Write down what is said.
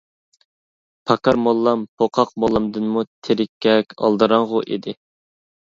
پاكار موللام پوقاق موللامدىنمۇ تېرىككەك، ئالدىراڭغۇ ئىدى.